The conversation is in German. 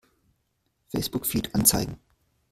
Facebook-Feed anzeigen!